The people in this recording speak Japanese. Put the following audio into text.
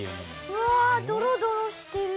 わドロドロしてる。